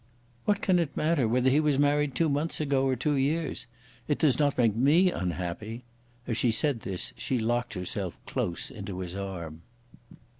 "What can it matter whether he was married two months ago or two years? It does not make me unhappy;" as she said this, she locked herself close into his arm.